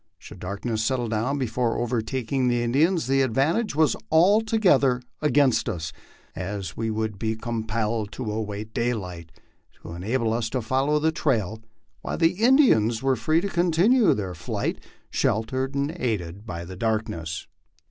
Should darkness settle down before overtaking the In dians, the advantage was altogether against us, as we would be compelled to await daylight to enable us to follow the trail, while the Indians were free to continue their flight, sheltered and aided by the darkness.